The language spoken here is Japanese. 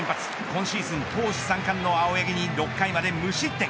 今シーズン投手三冠の青柳に６回まで無失点。